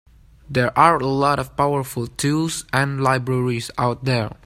There are a lot of powerful tools and libraries out there.